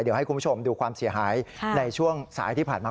เดี๋ยวให้คุณผู้ชมดูความเสียหายในช่วงสายที่ผ่านมา